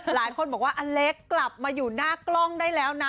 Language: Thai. หลายคนบอกว่าอเล็กกลับมาอยู่หน้ากล้องได้แล้วนะ